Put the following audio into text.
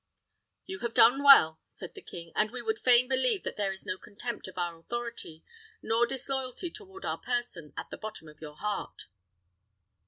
"You have done well," said the king; "and we would fain believe that there is no contempt of our authority, nor disloyalty toward our person, at the bottom of your heart."